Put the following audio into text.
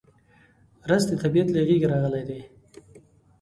رس د طبیعت له غېږې راغلی دی